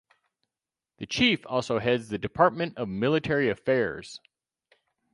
The Chief also heads the Department of Military Affairs.